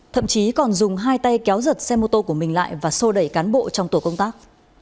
thậm chí còn dùng hai tay kéo giật xe mô tô của mình lại và sô đẩy cán bộ trong tổ công tác